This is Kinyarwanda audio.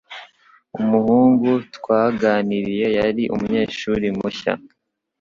Umuhungu twaganiriye yari umunyeshuri mushya.